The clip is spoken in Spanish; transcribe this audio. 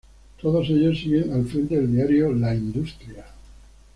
Todos ellos siguen al frente del diario "La Industria".